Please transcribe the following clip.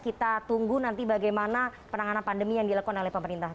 kita tunggu nanti bagaimana penanganan pandemi yang dilakukan oleh pemerintah